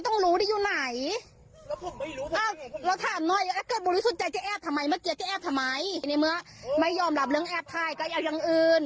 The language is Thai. ในเมื่อไม่ยอมหลับเรื่องแอบถ่ายก็ยังเอาอย่างอื่นด์